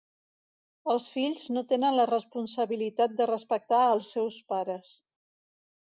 Els fills no tenen la responsabilitat de respectar als seus pares.